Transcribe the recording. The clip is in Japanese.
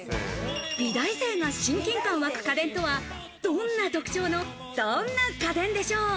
美大生が親近感わく家電とは、どんな特徴のどんな家電でしょう。